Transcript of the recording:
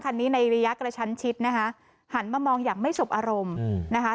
คันนี้ในระยะกระชั้นชิดนะคะหันมามองอย่างไม่สบอารมณ์นะคะ